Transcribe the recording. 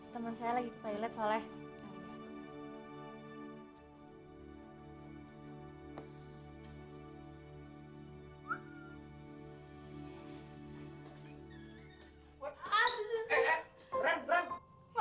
temen saya lagi ke toilet soalnya